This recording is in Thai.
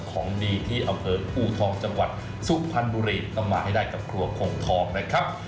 ของดีที่อำเภออูทองจังหวัดสุพรรณบุรีต้องมาให้ได้กับครัวคงทองนะครับ